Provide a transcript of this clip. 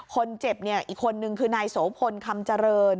คนเจ็บเนี่ยอีกคนนึงคือนายโสพลคำเจริญ